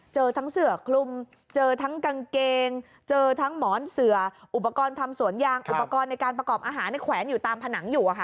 เจอทั้งเสือคลุมเจอทั้งกางเกงเจอทั้งหมอนเสืออุปกรณ์ทำสวนยางอุปกรณ์ในการประกอบอาหารแขวนอยู่ตามผนังอยู่